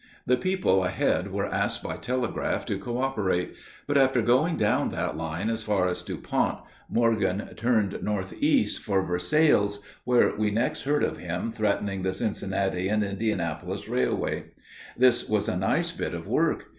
The people ahead were asked by telegraph to coöperate. But after going down that line as far as Dupont, Morgan turned northeast for Versailles, where we next heard of him threatening the Cincinnati and Indianapolis Railway. This was a nice bit of work.